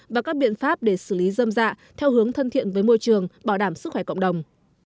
và các biện pháp để xử lý dâm dạ theo hướng thân thiện với môi trường bảo đảm sức khỏe cộng đồng